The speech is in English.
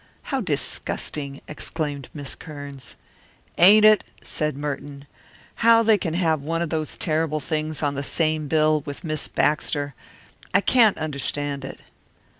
"How disgusting!" exclaimed Miss Kearns. "Ain't it?" said Merton. "How they can have one of those terrible things on the same bill with Miss Baxter I can't understand it."